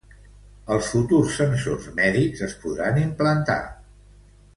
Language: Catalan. Els futurs sensors mèdics es podran implantar.